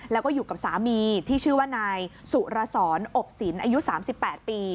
แล้วก็อยู่กับสามีที่ชื่อว่านายสุรสรอบสินอายุ๓๘ปี